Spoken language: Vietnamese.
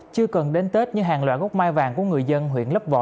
chưa cần đến tết nhưng hàng loại gốc mai vàng của người dân huyện lấp vò